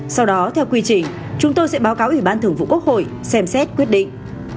sau đó theo quy trình chúng tôi sẽ báo cáo ủy ban thường vụ quốc hội xem xét quyết định